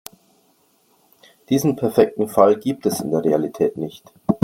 Diesen perfekten Fall gibt es in der Realität nicht.